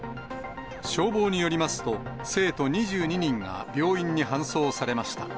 消防によりますと、生徒２２人が病院に搬送されました。